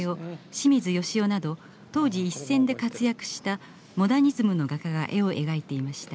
清水良雄など当時一線で活躍したモダニズムの画家が絵を描いていました。